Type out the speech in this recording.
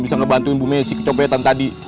bisa ngebantuin bume si picopeten tadi